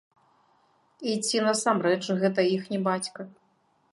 І ці насамрэч гэта іхні бацька?